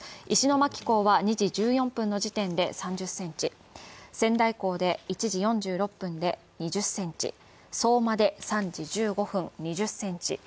石巻港は２４分の時点で３０センチ、仙台港で１時４６分で２０センチ、相馬で３時１５分２０センチ